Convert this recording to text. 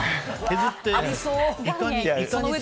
削って。